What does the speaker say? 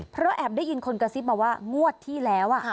เพราะแอบได้ยินคนกระซิบมาว่างวดที่แล้ว